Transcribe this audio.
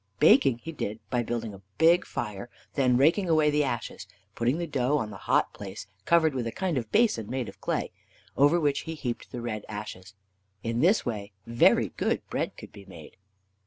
Baking he did by building a big fire, then raking away the ashes, and putting the dough on the hot place, covered with a kind of basin made of clay, over which he heaped the red ashes. In this way very good bread can be made.